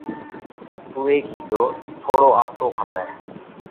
اُوئہ ڪِيڌو: ٿوڙو آٽو کپئه۔